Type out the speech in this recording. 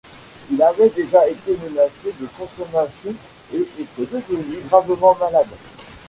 Il avait déjà été menacé de consomption et était devenu gravement malade.